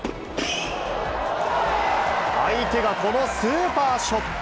相手がこのスーパーショット。